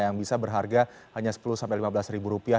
yang bisa berharga hanya sepuluh sampai lima belas ribu rupiah